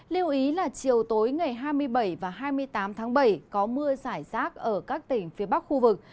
lưu ý là chiều tối ngày hai mươi bảy và hai mươi tám tháng bảy có mưa giải rác ở các tỉnh phía bắc khu vực